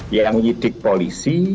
yang yidik polisi